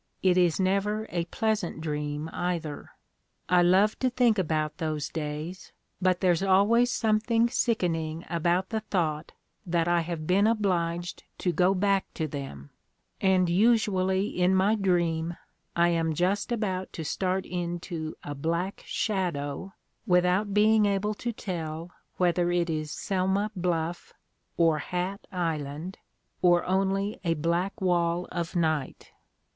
It is never a pleasant dream, either. I love to think about those days; but there's always something sickening about the thought that I have been obliged to go back to them ; and usually in my dream I am just iabout to start into a black shadow without being able to tell whether it is Sehna Bluff, or Hat Island, or only a black wall of night.